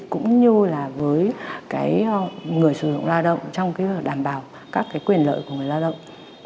cũng như là với người sử dụng lao động trong cái đảm bảo các quyền lợi của người lao động